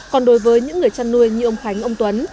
còn đối với những người chăn nuôi như ông khánh ông tuấn